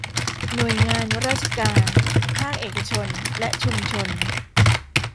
หน่วยงานราชการภาคเอกชนและชุมชน